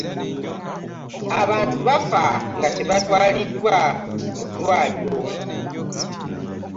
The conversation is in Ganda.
Abantu bafa nga tebatwalidwa mu ddwaliro.